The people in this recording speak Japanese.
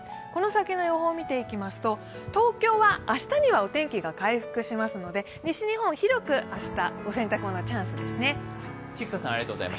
この先の予報を見ていきますと、東京は明日にはお天気回復しますので西日本、広く明日、お洗濯物チャンスですね。